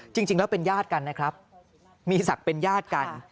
จริงแล้วเป็นญาติกันนะครับมีศักดิ์เป็นญาติกัน